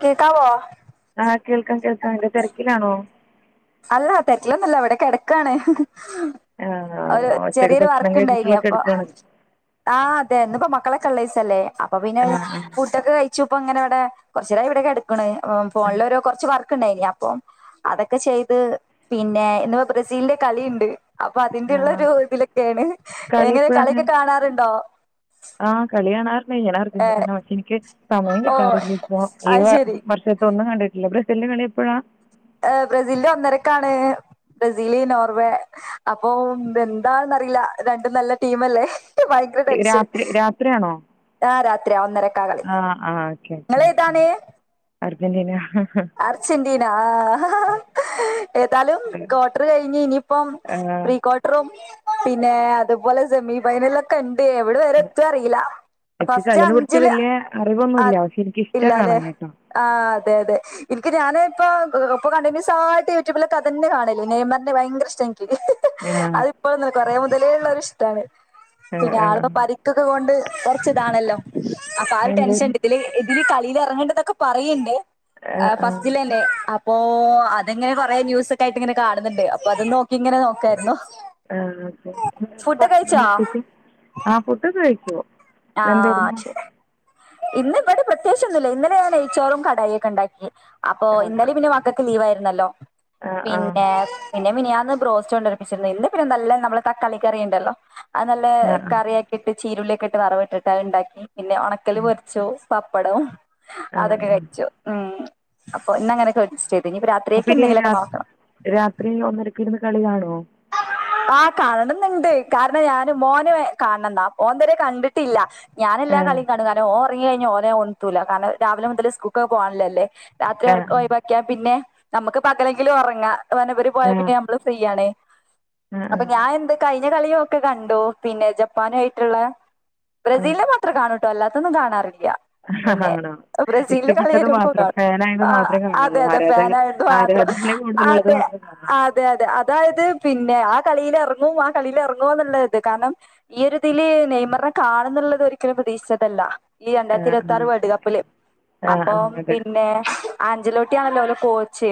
കേക്കാവോ ആഹ് കേൾക്കാം കേൾക്കാം എന്താ തെരക്കിലാണോ? അല്ല തെറ്റിലന്നല്ല ഇവിടെ കിടക്കാണ് ഒരു ഉച്ചയ്ക്ക് ചെറിയൊരു ഭക്ഷണം വർക്ക് ഇണ്ടായിന കഴിച്ചിട്ടുള്ളൊക്കെ അപ്പൊ എടുക്കുകയാണ് ആ അതെ ഇന്നിപ്പോ മക്കളൊക്കെള്ളെ ദിസല്ലേ അപ്പൊ പിന്നെ ആ ആ ഫൂഡ്ഡോക്കെ കയി ച്ചു ഇപ്പ ഇങ്ങനെ ഇവിടെ കൊറച്ച് നേരം ഇവിട കിടക്കണ് ഫോണില് ഓരോ കുറച്ച് വർക്ക് ഉണ്ടായിരുന്നു അപ്പം അതൊക്കെ ചെയ്ത് പിന്നെ ഇന്ന് ബ്രസീലിന്റെ കളിയിണ്ട്. അപ്പൊ ആ അതിന്റെള്ളരു ഇതിലൊക്കെയാണ് കളി എങ്ങനെയ എപ്പോഴാണ് കളിയൊക്കെ കാണാറുണ്ടോ ആ കളികാണാറ് അർജന്റീന എനിക്ക് സമയം ഓ കിട്ടാറില്ല ഇപ്പോ ഈ അത് ശരി വർഷത്തൊന്നും കണ്ടിട്ടില്ല ബ്ര ലിന്റെ കളി എപ്പോഴാ ഏ ബ്രസീലിന്റെ ഒന്നരക്കാണ് ബ്രസീല് നോർവേ അപ്പം എന്താെന്നറിയില്ല രണ്ടും നല്ല ടീമല്ലേ എനിക്ക് ഭയങ്കര ടെൻഷൻ രാത്രി രാത്രിയാണോ ആ രാത്രിയാ ഒന്നരക്കാ കളി ആ ആ ഓക്കെ ഓക്കെ നിങ്ങളേതാണ് അർജന്റീന അർജന്റീന ആ ഏതാലും ക്വാട്ടർ കഴിഞ്ഞ് ഇനിയിപ്പം ആ പ്രീ പിന്നെ അതുപോലെ സെമി ഫൈനലോക്കെയിണ്ട് എവിടെ വേരെ എത്തും അറില്ല എനിക്ക് കളിനെ കുറിച്ച് വലിയ അറിവ് ആ ഒന്നുമില്ല പക്ഷെ എനിക്ക് ഇഷ്ട ഇല്ലാലേ കാണാൻ ട്ടൊ ആ അതെ അതെ ഇനിക്ക് ഞാനേ ഇപ്പോ ഇപ്പൊ കണ്ടിന്യൂസായിട്ട് യൂട്യൂബിലൊക്കെ അതന്നെ കാണല് നെയ്മറിന്റെ ഭയങ്കര ഇഷ്ട എനിക്ക് ആ അതിപ്പോഴന്നല്ലാ കൊറെ മുതലേ ഉള്ള ഇഷ്ടാണ് പിന്നെ ആ ആ [unintelligible] ക്കൊക്കെ കൊണ്ട് കൊറച്ച് ഇതാണല്ലോ അപ്പൊ ആ ഒരു എന്തായാലും ടെൻഷൻണ്ട് ഇതില് ഇതില് കളിയില് ഇറങ്ങണ്ട എന്നൊക്കെ പറയണ്ട് ആ ആ ഫസ്റ്റലെന്നെ അപ്പൊ അതെങ്ങനെ കൊറെ ന്യൂസ് ഒക്കെ ആയിട്ട് ഇങ്ങനെ കാണുന്നുണ്ട് അപ്പൊ അത് നോക്കി ഇങ്ങനെ നോക്കായിന്നു ഏഹ് ഭക്ഷണം കഴിച്ചിട്ട് ആ ഫുഡൊക്കെ കഴിക്കുവോ ആഹ് ശരി ഇന്നിവിടെ പ്രത്യേകിച്ചൊന്നുല്ലാ ഇന്നലെ ഞാൻ നെയ്ച്ചോറും കടായി ഒക്കെ ഇണ്ടാക്കി. അപ്പൊ ആ ഇന്നല പിന്നെ മക്കൾക്ക് ലീവ് ആയിരുന്നല്ലോ ആ ആ ആ ആ പിന്നെ പിന്നെ മിനിയാന്ന് ബ്രോസ്റ്റ് കൊണ്ട്ടുപ്പിച്ചിരുന്നു. ഇന്ന് പിന്നെ നല്ല നമ്മള് തക്കാളി കറി ഇണ്ടല്ലോ അത് നല്ല ആ കറിയാക്കി ഇട്ട് ചീരുള്ളിയൊക്കെ ഇട്ട് വറവ് ഇട്ടിട്ട് അത്ണ്ടാക്കി പിന്നെ ഒണക്കല് ഉം. പൊരിച്ചു പപ്പടവും ആ ആ അതൊക്കെ കയിച്ചു ഉം അപ്പൊ ഇന്നങ്ങനെ അപ്പൊ ഇനി രാ രാത്രി ഒന്നരക്ക് ഇരുന്ന് കളി കാണോ? ആഹ് കാണണുന്നുണ്ട് കാരണം ഞാന് മോന് കാണന്നാ മോൻ ഇതുവരെ കണ്ട് ട്ടില്ല ഞാന് ആ എല്ലാ കളിയും കാണും കാരണം ഓൻ ഫ്രീയായിഞ്ഞു ഓനെ ഒണർത്തുല്ല കാരണം രാവിലെ മുതൽ സ്കൂൾക്ക പോകാൻള്ളല്ലേ രാത്രി ആ ഒറക്കൊഴിവാ ക്ക പിന്നെ നമുക്ക് പകലെങ്കിലും ഉറങ്ങാം വനപുരി പോയാ ആ ആ പിന്നെ നമ്മള് ഫ്രീ ആണേ അപ്പൊ ഞാൻ എന്ത് കഴിഞ്ഞ കളിയുഒക്കെക്കണ്ടു പിന്നെ ജപ്പാനായിട്ടുള്ള ആ ആ ബ്രസീലിനെ മാത്രം കാണൂട്ടോ അല്ലാത്തൊന്നും കാണാറില്ല പിന്നെ ആണോ ബ്രസീലിന്റെ കളി ഇഷ്ടപ്പെട്ടത് മാത്രം വരുമ്പോക്കാണും ഫാനായത് മാത്രമേ അതെ കാണുള്ളൂ അതെ ആരാധന ഫാനയിരു അതുമാത്രം ആരാധന കൂടുതലുള്ളത് അതെ അ മാത്രമേ കാണുള്ളൂ അതെ അതെ അതായത് പിന്നെ ആ കളീല് ഇറങ്ങോ ആ കളീല് ഇറങ്ങോ എന്നുള്ളത്. കാരണം ഈ ഒരിതില് നെയ്മറിനെ കാണുന്നുള്ളത് ഒരിക്കലും പ്രതീക്ഷിച്ചതല്ല ഈ രണ്ടായിരത്തി ഇരുപത്തി ആറ് വേൾഡ് കപ്പില് ആ ആ ആ ആ അപ്പം അതെ പിന്നെ അഞ്ചിലോട്ടിയ ആണല്ലോ അവരെ കോച്ച്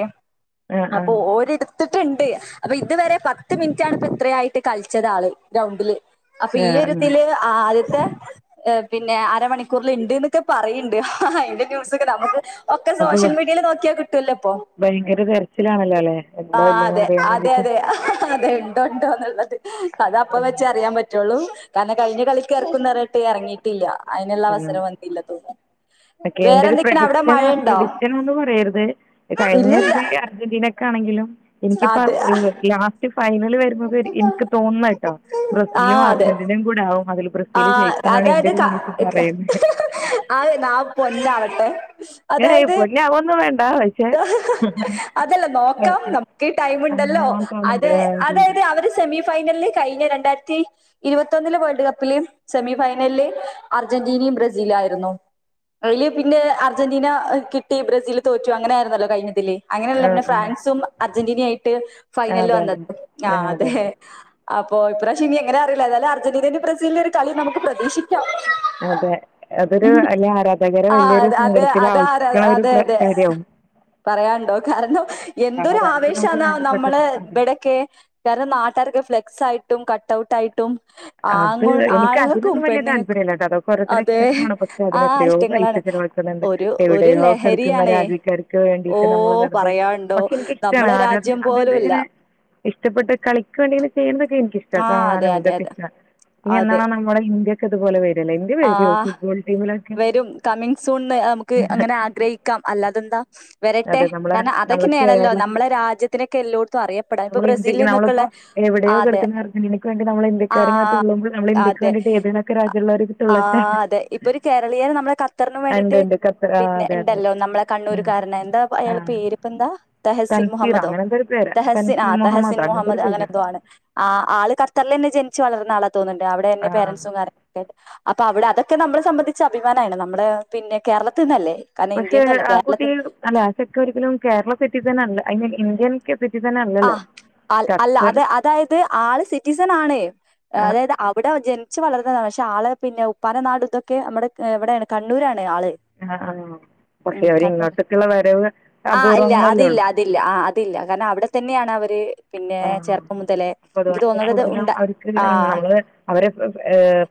ആ ആ അപ്പൊ ഓരിടത്ത് എടുത്തിട്ടുണ്ട് അപ്പൊ ഇതുവരെ പത്ത് മിനിറ്റാണ്പ്പ ഇത്രയായിട്ട് കളിച്ചത് ആള് ഗ്രൗണ്ടില് അപ്പൊ ആ ആ ഈയൊരുതില് ആദ്യത്തെ പിന്നെ അരമണിക്കൂറിൽ ഉണ്ട് എന്നൊക്കെ പറയണ്ട് അതിന്റെ ന്യൂസൊക്കെ നമുക്ക് ഒക്കെ അപ്പോൾ സോഷ്യൽ മീഡിയേല് നോക്കിയാ കിട്ടൂല്ലപ്പൊ ഭയങ്കര തിരച്ചിലാണല്ലോ അല്ലേ ആ എന്താ ഇല്ലയെന്ന് അതെ അറിയാൻ അ അതെ വേണ്ടിയിട്ട് അതെ അതെ ഉണ്ടോ ഉണ്ടോ എന്നുള്ളത് അതാ അപ്പ വെച്ചാ അറിയാൻ പറ്റുള്ളൂ കാരണം കഴിഞ്ഞ കളിക്ക് ഇറക്കുന്നു പറഞ്ഞിട്ട് ഇറങ്ങിയിട്ടില്ല അതിനുള്ള അവസരം വന്നില്ല തോന്നും ഓക്കെ എന്റെ ഒരു പ്രഡിക്ഷന് പ്രഡിക്ഷൻ എന്ന് പറയരുത് ഇല്ലില്ല. കഴിഞ്ഞതില് അർജന്റീനക്കണെങ്കിലും എനിക്കിപ്പ അത് [unintelligible] ഫൈനൽ വരുമ്പോ എനിക്ക് തോന്നുന്നു കേട്ടോ ആ ബ്രസീലും അതെ അർജന്റീനയും കൂടെ ആവും അതിൽ ആ ബ്രസീൽ ജയിക്കും എന്നാണ് എൻ്റെ അതായത് ഒരു കാ മനസ്സിൽ ക പറയുന്നത് ആ നാവ് പൊന്നാവട്ടെ ഏയ് അതായത് പൊന്നെ അതൊന്നും വേണ്ട പക്ഷേ അതല്ല നോക്കാം ന അങ്ങനെ ടൈമണ്ടല്ലോ ആവാൻ അത തോന്നുന്നുണ്ട് അതായത് അവര് സെമി ഫൈനലിൽ കഴിഞ്ഞ രണ്ടായിരത്തി ഇരുപത്തിയൊന്നിലെ വേൾഡ് കപ്പ് [unintelligible] സെമി ഫൈനലില് അർജന്റീനയും ബ്രസീലൂആയിരുന്നു അയില് പിന്നെ അർജന്റീന കിട്ടി ബ്രസീൽ തോറ്റു അങ്ങനെ ആരുന്നല്ലോ കഴിഞ്ഞതില് അങ്ങനെയല്ല പിന്നെ ഫ്രാൻസും അർജന്റീന ആയിട്ട് ഫൈനലില് അതെ അതെ അതെ വന്നത് ആ അതെ അപ്പോ ഇപ്രാശ ഇനിഎങ്ങനെ അറിയില്ലതായാല അർജന്റീനയും ബ്രീലന്റെ ഒരു കളി നമുക്ക് പ്രതീഷി അതെ അതൊരു അല്ലെ ആരാധകരെ ആ വല്യൊരു അത് അത് സങ്കടത്തിലാക്കണ ഒരു കാര്യവും പറയാന്ണ്ടോ കാരണം കാരണം എന്തൊരു രണ്ടും നമുക്ക് ആവേശന്നാ നമ്മളെ വേണ്ടപ്പെട്ടതാണ് അതെ ഇവിടൊക്കെ കാരണം നാട്ടാരൊക്കെ ഫ്ലെക്സ് ആയിട്ടും കട്ട്ഔട്ട് ആയിട്ടും ആ ത് എനിക്ക് അതിനൊന്നും വലിയ താല്പര്യമല്ല കേട്ടോ അതൊക്കെ ഓരോരുത്തരുടെ അതെ. ഇഷ്ടമാണ് പക്ഷെ ആ അതിനെത്രയോ പൈസ ഇഷ്ടങ്ങളാണ്. ചെലവാക്കി കിട്ടന്നുണ്ട് ഒരു ഒരു എവിടെയോ കെടക്കുന്ന ലഹരിയാണേ. രാജ്യക്കാർക്ക് ഓ വേണ്ടിട്ട് നമ്മള് വെറുതെ പറയാനുണ്ടോ? പക്ഷെ എനിക്ക് നമ്മളെ ആരത് രാജ്യം പോലുല്ല. അതായതിങ്ങനെ ഇഷ്ടപ്പെട്ട കളിക്ക് വേണ്ടിയിങ്ങനെ ചെയ്യുന്നൊക്കെ എനിക്കിഷ്ട ആ അതെ കാണാനും അതെ ഇതൊക്കെ അതെ. ഇഷ്ടമാണ് ഇനി അതെ. എന്നാണോ നമ്മുടെ ഇന്ത്യക്ക ഇതുപോലെ വരല്ലോ ഇന്ത്യ വരോ ആഹ് ഫുട്ബോൾ ടീമിലൊക്കെ ക്ക്‌ അങ്ങനെ ആഗ്രഹിക്കാം അല്ലാതെന്താ വരട്ടെ അതെ നമ്മളെ കാരണം നമ്മളെ അതൊങ്ങനെയാണല്ലോ കേരള നമ്മളെ രാജ്യത്ത് ത്തിനൊക്കെ എല്ലോടത്തും അറിയപ്പെടാം ഇപ്പൊ നമ്മൾ ബ്രസീല് ഇന്ത്യക്ക് നിന്നൊക്കെയുള്ള നമ്മളിപ്പോൾ എവിടെയോ അതെ കിടക്കുന്ന അർജന്റീനയ്ക്ക് നമ്മൾ ഇന്ത്യക്കാരിങ്ങനെ ആഹ് തുള്ളുമ്പോ നമ്മളെ ഇന്ത്യക്ക് വേണ്ടി ഏതിനൊക്കെയുള്ള രാജ്യക്കാറ് ആ അതെ ഇപ്പൊ ഒരു കേരളീയര് നമ്മെ ഖത്തറിന് ഉണ്ട് വേണ്ടീട്ട് ഉണ്ട് ഖത്തർ ആ പിന്നെ അതെ അതെ ണ്ടല്ലോ അതെ നമ്മളെ ആ കണ്ണൂർക്കാരനാ എന്താ ആ അയാൾ പേരിപ്പോന്താ തഹസിൻ തൻസീറ മുഹമ്മദോ അങ്ങനെന്തോ ഒരു പേരാണ് തഹസിൻ ആ തൻസീർ തഹസിൻ അങ്ങനത്തെ മുഹമ്മദ്. ഒരു അങ്ങനെ പേരാണ് എന്തോ ആണ് ആള് കർത്തറിൽന്നെ ജനിച്ച് വളർന്ന ആള തോന്ന്ണ്ട് അവിടെന്നെ ആ പേരൻറ്സും കാര്യങ്ങ അപ്പൊ അവിടെ അതൊക്കെ നമ്മളെ സംബന്ധിച്ച അഭിമാന ആണ് നമ്മുടെ പിന്നെ കേരളത്തിൽന്നല്ലേ കാരണം പക്ഷേ ഇന്ത്യന്നല്ലേ ആ കുട്ടി കേരളത്തി അല്ല ആ ഒരിക്കലും കേരള സിറ്റിസണല്ല ഐ മീൻ ഇന്ത്യൻ [unintelligible] ആഹ് അ അല്ല ഖത്തർ അത അതായത് ആള് സിറ്റിസൺ ആണ് ആ അതായത് അവ് ഇവിടെ ജനിച്ചു വളർന്നതാണ് പക്ഷെ ആളെ പിന്നെ ഉപ്പാൻ്റെ നാട് ഇതൊക്കെ നമ്മുടെ എവിടെയാണ് കണ്ണൂരാണ് ആള് ആ ആ പക്ഷെ ഉം കണ്ണൂർ അവരിങ്ങോട്ടൊക്കെള്ള വരവ് അപൂർവ്വങ്ങളല്ലേ ഉള്ളൂ തില്ല ആ അതില്ല കാരണം അവിടെ തന്നെയാണ് അവര് പിന്നെ ആ ചെറുപ്പം മുതലേ അപ്പോൾ നിക്ക് തോന്നണ്ടത് ഉണ്ട ആഹ് അവരൊക്കെ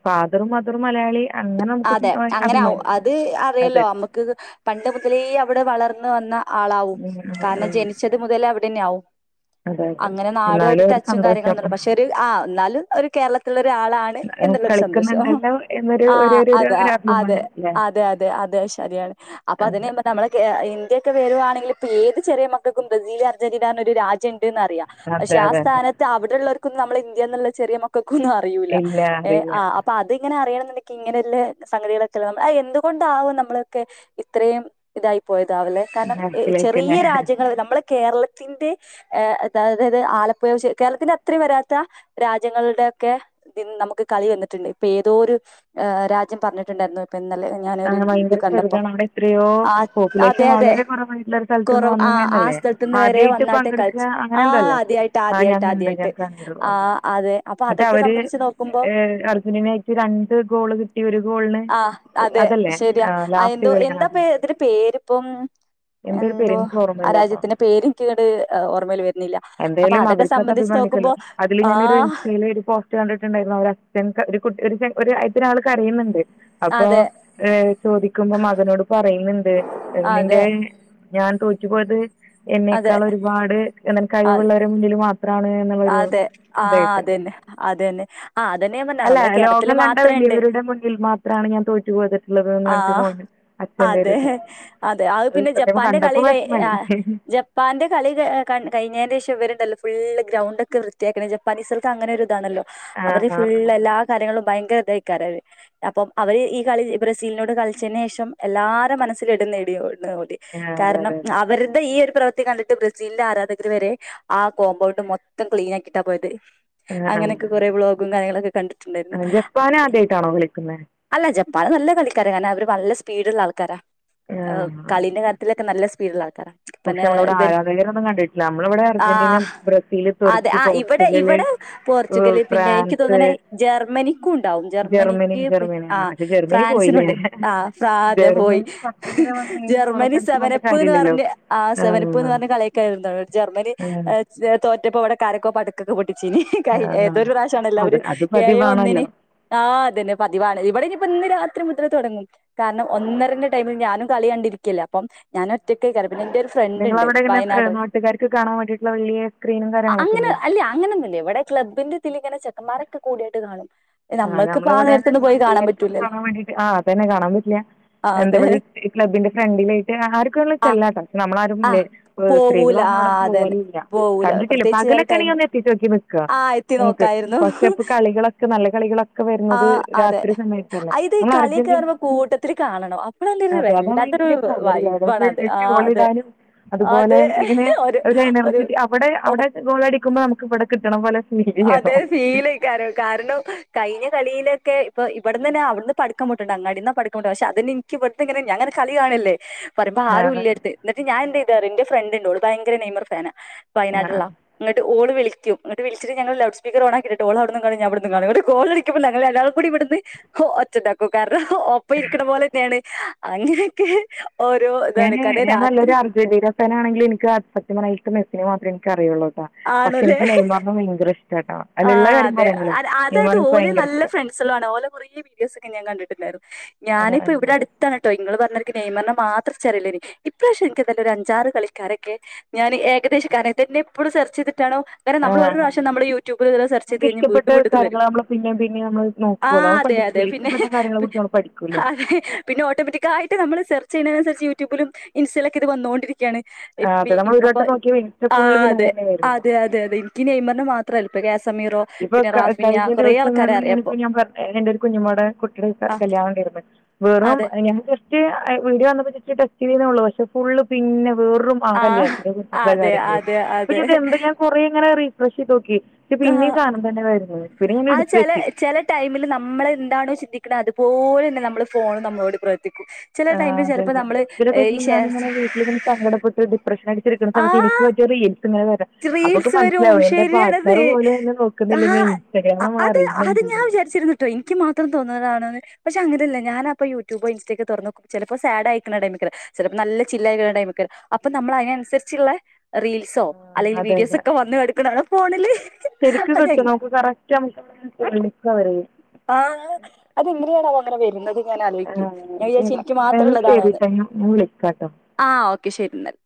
ഫാദറും മദറും മലയാളി അങ്ങനെ നമുക്ക് അതെ അങ്ങനെ ആാവും അഭിമാനിക്കാം അത് അതെ അറിയല്ലോ അമ്മ പണ്ട് മുതലേ അവിടെ വളർന്ന് വന്ന ആളാവും ഉം ഉം കാരണം ഉം. ജനിച്ച ച്ചത് മുതല് അവിടെന്നെ ആവും അതെ അതെ അങ്ങനെ എന്നാലും നാടുമായിട്ട് ഒരു ടച്ചും സന്തോഷം കാര്യങ്ങളൊന്നും ഇല്ല പക്ഷെ ഒരു ആഹ് എന്നാലും ഒരു കേരളത്തി ള്ളരാളാണ് ഏഹ് എന്നുള്ളൊരു സന്തോഷം കളിക്കുന്നുണ്ടല്ലോ എന്നൊരു ആ ഒരു ഒരു ഒരു അത ഒരു അതെ അഭിമാനം അല്ലേ അതെ അതെ അതെ ശരിയാണ് അപ്പൊ അതെ അതിനെന്താക്കി നമ്മളെ ഇന്ത്യയൊക്കെ വരുവാണെങ്കില ഇപ്പോ ഏത് ചെറിയ മക്ക്ക്കും ബ്രസീലും അർജന്റീന ഒരു രാജം ഉണ്ട്ന്ന് അറിയാം അതെ പക്ഷെ ആ അതെ അതെ സ്ഥാനത്ത് അവിടെള്ളവർക്കൊന്നും നമ്മൾ ഇന്ത്യ എന്നുള്ള ചെറിയ മക്കക്കൊന്നും അറിയുല്ല ഇല്ല ഏ അറിയില്ല ആ അപ്പ അതിങ്ങനെ അറിയണമെന്നുണ്ടെങ്കിലു ഇങ്ങനെ ലെ സംഗതികളൊക്കെള്ള നമ്മ എന്തുകൊണ്ടാവും നമ്മളൊക്കെ ഇത്രയും ഇതായി പോയതാവല്ലെ കാരണം ബാക്കിലേക്ക് ചെറിയ അല്ലേ രാജ്യങ്ങള് നമ്മുടെ കേരളത്തിന്റെ ഏ അതായത് ആലപ്പുഴ കേരളത്തിന്റെ അത്രയും വരാത്ത രാജ്യങ്ങളുടൊക്കെ ഇന്ന് നമുക്ക് കളി വന്നിട്ടുണ്ട് ഇപ്പൊ ഏതോ ഒരു രാജ്യം പറഞ്ഞിട്ടുണ്ടായിരുന്നു ഇപ്പൊ ഇന്നലെ അ ഞാനൊരു ഇത് ഭയങ്കര കണ്ടപ്പോ ചെറുതാണ് അവിടെ എത്രയോ ആ അതെ പോപ്പുലേഷൻ അതെ വളരെ കുറവായിട്ടുള്ള ഒരു സ്ഥലത്തു നിന്ന് കുറവ് വന്നു ആ ആ സ്ഥലത്തുന്ന് [unintelligible] വരെ ആദ്യായിട്ട് വന്നാട്ടെ പങ്കെടുക്കുക കളിച്ചു ആ അങ്ങനെന്തോല്ലേ? ആദ്യായിട്ട് ആ ആദ്യായിട്ട് ഞങ്ങണ്ട്‌ ആദ്യായിട്ട് ഞാൻ കണ്ട്. ആ അതെ അപ്പൊ മറ്റെ അതൊക്കെ അവര് സംബന്ധിച്ച് നോക്കുമ്പോ അർജന്റീനക്ക് രണ്ട് ഗോള് കിട്ടി ഒരു ഗോളിന് ആ അതെ അതല്ലേ ശര്യ എന്തോ ലാസ്റ്റ് കളി എന്താ അത് പേ അതിന്റെ പേരിപ്പം എന്തൊരു പേര് എന്തോ എനിക്ക് ആ ഓർമ്മയില്ല കേട്ടോ രാജ്യത്തിന്റെ പേര് എനിക്കിങ്ങട് ഓ ഓർമ്മേല് വരുന്നില്ല. അപ്പൊ അതൊക്കെ ഇക്കത് സംബന്ധിച്ച് അഭിമാനിക്കല്ലോ നോക്കുമ്പോ അതില് ആ ഞാനൊരു ഇൻസ്റ്റേല് ഒരു പോ കണ്ടിട്ട്ണ്ടായിരുന്നോ ഒരഛൻ ഒര് കു ഒരു ഒര് അയ്തൊരാള് കരയ്ന്ന്ണ്ട് അതെ എ ചോദിക്കുമ്പോ മകനോട് പാരായിന്ന്ണ്ട് നിന്റെ അതെ ഞാൻ തോറ്റു പോയത് അതെ എന്നെക്കാള് ഒരുപാട് എന്താണ് അ കഴിവുള്ളോരെ മുമ്പില് മാത്രാണ് അതെ ആഹാ അതന്നെ അതന്നെ ആഹാ അതന്നെ അതന്നെ ഞാ പറഞ്ഞെ നമ്മളെ കേരളത്തില് മാത്രെണ്ട് തിൽമാത്രാണ് ഞാൻ തോറ്റ് ആഹ് [unintelligible] [unintelligible] അതെ അച്ഛന്റെരുത് അതെ അത് പിന്നെ പെട്ടെന്ന് കണ്ടപ്പൊ വെഷമായി ഹേ ഇപ്പാന്റെ കളി കയ്ഞ്ഞേന്റേഷം ഇവര്ണ്ടല്ലോ ഫുള്ള് ഗ്രൗണ്ടൊക്കെ വൃത്തിയാക്ക്ണ ജപ്പാനീസേൾക്കങ്ങനൊരു ഇതാണല്ലോ ആ അവര് ആ ആ. ഫുള്ള് എല്ലാ കാര്യങ്ങളും ഭയങ്കര ഇതായിക്കാരത്‌ അപ്പം അവര് ഈ കളി ബ്രസീലിനോട് കളിച്ചതിന് ശേഷം എല്ലാരെ മനസ്സില് ഇടം നേടിയോ ഓല് ആ, അതെ കാരണം അതെ അതെ അവരദ് ഈ ഒരു പ്രവൃത്തി കണ്ടിട്ട് ബ്രസീൽന്റെ ആരാധകര് വരെ ആ കോമ്പൗണ്ട് മൊത് മൊത്തം ക്ലീനാക്കിട്ടാ പോയത് അങ്ങനെയൊക്കെ കൊറെ വ്ലോഗും കാര്യങ്ങളൊക്കെ കണ്ടു ആഹ് ജപ്പാനേ ആദ്യയിട്ടാണോ കളിക്കുന്നെ? അല്ല ജപ്പാന് നല്ല കളിക്കാര കാരണം അവര് നല്ല സ്പീഡ്ള്ള ആൾക്കാരാ കളിന്റെ കാര്യ തിലൊക്കെ നല്ല സ്പീഡുള്ള ആൾക്കാരാ പക്ഷെ പിന്നെ നമ്മളെവിടെ ഇവർ ആരാധകരൊന്നും കണ്ടിട്ടില്ല നമ്മളെ ഇവിടെ അർജന്റീന ആഹ് ബ്രസീല് അതെ ആ ഇവിടെ ഇവിടെ പോർച്ചുഗല് പിന്നെ എനിക്ക് ഫ്രാൻസ് തോന്നണ ജർമ്മനി ഉണ്ടാവും ജർമ്മനി ജർമ്മനിക്ക് പിന്നെ ജർമ്മനി ആ ആഹ് പക്ഷെ ജർമ്മനി പോയില്ലേ ഫ്രാൻസിനുണ്ട് ആഹ് ഫ്രാത പോയി ജർമ്മനി ഫസ്റ്റിങ്ങനെ വന്ന് ഏഴ് ഗോളൊക്കെ ജർമ്മനി അടിച്ച് പറഞ്ഞിട്ട് സെവെനപ്പ്ന്ന് കാര്യമില്ലല്ലോ പറഞ്ഞ ആഹ് ആ സെവനപ്പ്ന്ന് പറ്ഞ്ഞ് കളിയാക്കാർന്നു ജർമ്മനി ആ എഹ് തോറ്റപ്പോ ഇവടൊകാരൊക്കോ പട് ടക്കൊക്കെ പൊട്ടിച്ചിനി. ആ ഏതൊരു പ്രാശ്യാണല്ലോ, അത് അവര് അത് ഏയെ ഒന്നിന് പതിവാണല്ലോ ആഹ് അതന്നെ പതിവാണ് ഇവടെഞ്ഞ്പ്പൊ ഇന്ന് രാത്രി മുതലെ തൊടങ്ങും കാരണം ഒന്നരന്റെ ടൈമില് ഞാനും കളി കണ്ടിരിക്കല്ലേ അപ്പം ഞാനൊറ്റക്കെക്കാരം പിന്നെ ന്റൊരു ഫ്രണ്ട് ഇണ്ട് ബയനാട് ട്ടുകാർക്ക് കാണാൻ വേണ്ടിയിട്ട്ള്ള [unintelligible] അങ്ങനെ അല്ല അങ്ങനൊന്നൂല്ല ഇവിടെ ക്ലബ്ബിന്റെ ഇതിലിങ്ങനെ ചെക്കന്മാരൊക്കെ കൂടിയിട്ട് കാണും ആ നമ്മൾക്കിപ്പ നമ്മളെവിടെ നേരത്തൊന്നും പോയി കാണാൻ നാട്ടാര്ക്കൊക്കെ പറ്റൂലല്ലോ കാണാൻ വേണ്ടീട്ട് ആ അതന്നെ കാണാൻ പറ്റില്ല ആ എന്താ അതെ ഇവടൊരു ക്ലബ്ബിന്റെ ഫ്രണ്ടിലേയിട്ട് ആര്ക്ക് വേണ്ടെങ്കിലും ആ ചെല്ലാട്ടോ പഷേ ആ നമ്മളാരുംല്ലേ പ്പ് സ്ത്രീകൾ പോവൂല ഒന്നും ആ ഇവിടെ അതന്നെ പോവലില്ല പോവൂല കണ്ടിട്ടില്ല പ്രത്യേകിച്ച് വേറെ പകലൊക്കെണെങ്കി ഒന്ന് ടൈമൊക്കെ എത്തിച്ചോക്കി നിക്കാ ആ എത്തി നമുക്ക് നോക്കായിരുന്നു പക്ഷെയിപ്പോ കളികളൊക്കെ നല്ല കളികളൊക്കെ ആ വെരുന്നത് അതെ രാത്രി സമയത്തല്ലേ? ആ, ഇത് ഈ നമ്മള് കളിയൊക്കെ അര്ജന്റീന കാണുമ്പോ കൂട്ടത്തില് കാണണം അപ്പഴല്ലേ ഒരു അതെ വല്ലാത്തൊരു അതാണയ്ന്റൊരു പവറ് [unintelligible] വൈബാണ് അത് ആ ഒരുമിച്ച് അതെ ഓളിടാനും അതുപോലെ അതെ ഇങ്ങനെ ഒരു അഒരു ഒരു എനർജി അവിടെ അവിടെ ഗോളടിക്കുമ്പോ നമുക്ക് വടെ കിട്ട്ണ പോലെ [unintelligible] അതെ സീന് കാര കാരണം കയ്ഞ്ഞ കളിലൊക്കെ ഇപ്പൊ ഇവ്ട്ന്നെന്നെ അവിടുന്ന് പഠക്കംപൊട്ടുണ്ട് അങ്ങാടിന്നാ പടക്കം പൊട്ട പക്ഷെ അതെന്നെ ഇൻ ക്കിപെടുത്തങ്ങനെ ഞാ ഇങ്ങനെ കളി കാണല്ലേ പറിമ്പോ ആ ആരുല്ല്യട്ത്ത് ഇന്നട്ട് ഞാനെന്തെയ്തറിയോ ഇന്റെ ഫ്രണ്ട്ണ്ട് ഓള് ഭയങ്കര നെയ്മർ ഫെനാ ആ വയനാട്ള്ളാ ഇങ്ങട്ട് ഓള് വിളിക്കും ങ്ങട്ട് വിളി ഇച്ചിരി ഞങ്ങള് ലൗഡ്സ്പീക്കർ ഓണാക്കീട്ടിട്ട് ഓള് അവിട്ന്നും കാണും ഞാ ഇവിട്ന്നും കാണും അവിടെ ഗോൾ അടിക്കുമ്പോൾ ഞങ്ങൾ രണ്ടാളും കൂടി ഇവിടുന്ന് ഒച്ചണ്ടാക്കോ കറ ഒപ്പ ഇരിക്കണ പോലെന്നെയാണ് അങ്ങനെയൊക്കെ ഓരോ ഇതാണ് കാരണം രാത്രി [unintelligible] ഇന്ക് സത്യം പറഞ്ഞ മെസിനെ മാത്രെ ഇൻക്ക് അറിയുള്ളൂട്ടോ പക്ഷെ ആണല്ലേ ഇന്ക് നെയ്മ സിന്‌മ ഭയങ്കരെശ്ട്ടാട്ടോ ആഹ് അതെ അ അതാത് ഓല് ഭയങ്കര നല്ല ഫ്രണ്ട്സേളാണ് ഓലെ കൊറേ വീഡിയോസൊക്കെ ഞാൻ കണ്ടിട്ടിണ്ടായിരുന്നു. ഞാനിപ്പ ഇഷ്ടമാണ് ഇവിടടു ആണ് ട്ടോ ഇങ്ങള് പറഞ്ഞനിക്ക് നെയ്മറിനെ മാത്രം ഇച്ചറീലേന്ന് ഇപ്രാശ്യം ഇൻകെന്തായാലും ഒരഞ്ചാറ് കളികാരൊക്കെ ഞാന്, ഏകദേശം കററ്റെന്നെ, എപ്പോഴും സെർച്ച് ചെയ്തിട്ടാനും. കാരണം ആ നമ്മള് ഒരുപ്രാശ്യം നമ്മള് യീ യൂട്യൂബ് ഇത സെർച്ച് ചെയ്ത നമുക്ക് കഴിഞ ഇഷ്ടപ്പെട്ട വീണ്ടും വീണ്ടു ഇത് കാര്യങ്ങൾ വരും നമ്മൾ പിന്നെയും പിന്നെയും നമ്മൾ നോക്കുമല്ലോ ആഹ് നമ്മൾ അതെ അതെ പഠിക്കില്ലേ പിന്നെ ഇഷ്ടപ്പെട്ട കാര്യങ്ങളെക്കുറിച്ച് നമ്മൾ പഠിക്കില്ലേ ആഹ് അതെ പിന്നെ ഓട്ടോമാറ്റിക്കായിട്ട് നമ്മള് സെർച്ച് ചെയ്യ്ണെനനുസരിച്ച് യൂട്യൂബിലും ഇൻസ്റ്റയിലൊക്കെ ഇത് വന്നോണ്ടരിക്കാണ് ആ എപ് അതെ നമ്മൾ ഒരു അപ്പൊ വട്ടം നോക്കിയാൽ പിന്നെ ഫുള്ള് ആഹ് പിന്നെ അത് അതെ തന്നെ വരുമല്ലോ അതെ അതെ അതെ ഈ നെയ്മർന് മാത്രല്ല ഇപ്പ ഗ്യാസമീറോ ഇപ്പൊ ക കഴിഞ്ഞ ദിവസങ്ങൾല് എനിക്കുഞപർത്തേ എന്റൊരു കുഞ്ഞുമ്മോടെ കുട്ടിടെ ക ആഹ് കല്യാണം ഇണ്ടേര്ന്ന്. വെറും അതെ ഞങ്ങള് ജസ്റ്റ് വീഡിയോ വന്നപ്പോ ജസ്റ്റ്‌ ടെസ്റ്റ് ചെയ്തുന്നുള്ളൂ പക്ഷെ ഫുള്ള് പിന്നെ വെറും ആഹ് കല്യാണത്തിന്റെ കുറിച്ച്ട്ട്ള്ള അതെ കാര്യങ്ങളെ അതെ അതെ [inaudible] കൊറേങ്ങനെ റീഫ്രഷ് ചെയ്തോക്കി പക്ഷെ പിന്നിം ഈ ആഹ് സാനം തന്നെ വരുന്നത് പിന്നെ ഞാന് ഇടുത്ത് വെച്ച് ഈ ടൈമില് നമ്മളെന്താണോ ചിന്തിക്ണേ അതുപോൽന്നെ നമ്മളെ ഫോണും നമ്മളോട് പ്രവർത്തിക്കും ചില ആ ടൈമില് ചെലപ്പോ അതന്നെ നമ്മള് പിന്നെ ഏ, ഈ [unintelligible] ഷെയർ ഞാനിങ്ങനെ ചെ വീട്ടിലിര്ന്ന് സങ്കടപ്പെട്ട് പ്രശ്നട്ച്ചിരിക്ക്ണ സമയത്ത് ഇനിക്ക് ആഹ് പറ്റിയ റീൽസ്ങ്ങെനെ വെരാ അപ്പൊക്ക് റീൽസ് വരും മനസ്സിലാവും എന്റെ ശരിയാണത് പാട്ട്നെർ പോലും എന്നെ ആ നോക്കുന്നില്ലെങ്കിൽ ഇൻസ്റ്റാഗ്രാം അമ്മളെ അറേജ്മെന്റ് ഇണ്ടല്ലോ. ട്ടോ എനിക്ക് മാത്രം തോന്ന്ണതാണെന്ന് പക്ഷെ അങ്ങനല്ല ഞാനപ്പ യൂട്യൂബോ ഇൻസ്റ്റക്ക തൊറന്ന ചെലപ്പോ സാടായിക്ക്ണ ടൈമേകാ ചിലപ്പോ നല്ല ചില്ലായിക്കണ്ട ടൈമാക്കാരം അപ്പൊ നമ്മൾ അതിനനുസരിച്ചുള്ള റീൽ ൽസൊ ആ, അല്ലെങ്കില് അതെ അതെ വീഡിയോസൊക്കെ വന്ന്കെട്ക്ക്ണിണാ ഫോണില് ശരിക്ക് അതെ കിട്ടും നമുക്ക് കറക്റ്റ് നമുക്ക് [unintelligible] ആഹ് അതെന്തിരാണാവോ അങ്ങനെ വരുന്നത് ഞാൻ ആലോയ്ക്കും ഞാൻ വിചാരിച്ച് എനിക്ക് മാത്രം ശരി ഉള്ളതാണോന്ന് ട്ടോ ഞാൻ ഞാൻ വിളിക്കാം കേട്ടോ ആഹ് ഓക്കെ ശരി ന്നാൽ